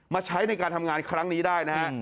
ใช้ในการทำงานครั้งนี้ได้นะฮะ